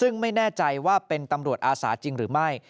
แน่ใจว่าเป็นตำรวจอาศาจริงหรือไม่